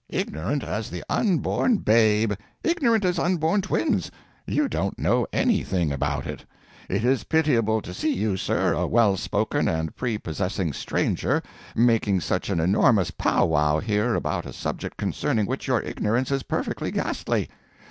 ignorant as the unborn babe! ignorant as unborn twins! You don't know anything about it! It is pitiable to see you, sir, a well spoken and prepossessing stranger, making such an enormous pow wow here about a subject concerning which your ignorance is perfectly ghastly!